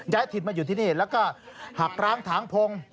ถิ่นมาอยู่ที่นี่แล้วก็หักร้างถางพง